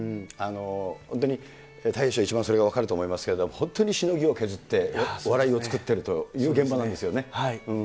本当にたい平師匠、一番それが分かると思いますけれど、本当にしのぎを削って、笑いを作ってるという現場なんですよね。